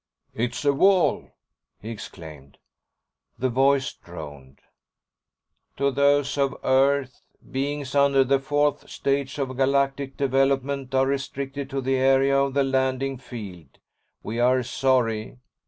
"It's a wall!" he exclaimed. The voice droned: "To those of Earth: Beings under the 4th stage of Galactic Development are restricted to the area of the landing field. We are sorry.